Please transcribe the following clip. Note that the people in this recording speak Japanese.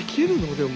でも。